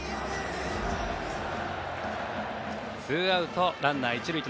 ツーアウトランナー１塁。